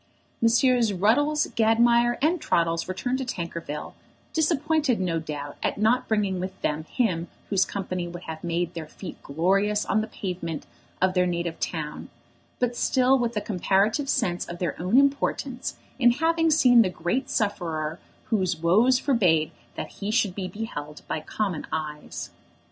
Messrs. Ruddles, Gadmire, and Troddles returned to Tankerville, disappointed no doubt at not bringing with them him whose company would have made their feet glorious on the pavement of their native town, but still with a comparative sense of their own importance in having seen the great sufferer whose woes forbade that he should be beheld by common eyes.